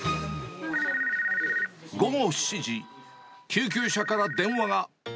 午後７時、救急車から電話が。